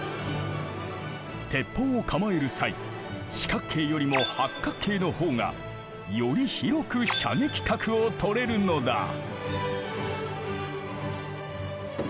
鉄砲を構える際四角形よりも八角形の方がより広く射撃角をとれるのだ。